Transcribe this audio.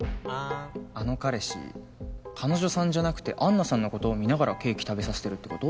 あの彼氏彼女さんじゃなくて杏奈さんのことを見ながらケーキ食べさせてるってこと？